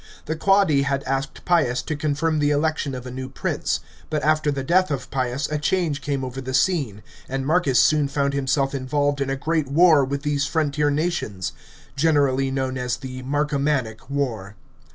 The Quadi had asked Pius to confirm the election of a new prince; but after the death of Pius a change came over the scene, and Marcus soon found himself involved in a great war with these frontier nations — generally known as the Marcomannic War.